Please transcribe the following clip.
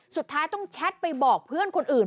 สุดท้ายต้องแชทไปบอกเพื่อนคนอื่น